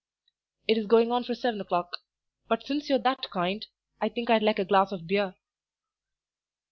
"It is going on for seven o'clock; but since you're that kind I think I'd like a glass of beer."